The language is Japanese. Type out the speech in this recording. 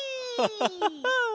ハハハハ。